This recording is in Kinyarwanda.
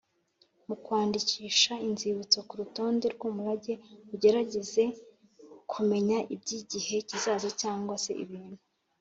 mu kwandikisha inzibutso ku rutonde rw umurage ugerageze kumenya iby igihe kizaza cyangwa se ibintu